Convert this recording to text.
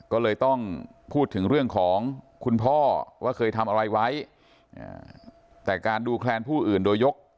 ก็เลยต้องพูดถึงเรื่องของคุณพ่อว่าเคยทำอะไรไว้แต่การดูแคลนผู้อื่นโดยยก